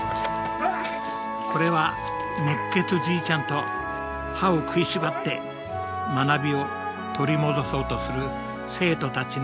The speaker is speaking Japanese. これは熱血じいちゃんと歯を食いしばって学びを取り戻そうとする生徒たちのお話です。